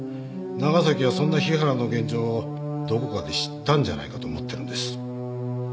長崎はそんな日原の現状をどこかで知ったんじゃないかと思ってるんです。